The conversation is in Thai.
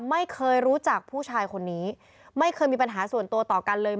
ไม่เคยรู้จักผู้ชายคนนี้ไม่เคยมีปัญหาส่วนตัวต่อกันเลย